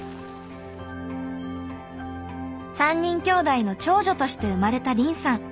３人きょうだいの長女として生まれた凜さん。